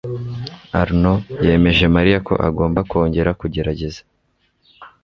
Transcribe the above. arnaud yemeje mariya ko agomba kongera kugerageza